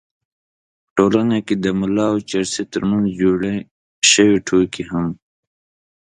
په ټولنه کې د ملا او چرسي تر منځ جوړې شوې ټوکې هم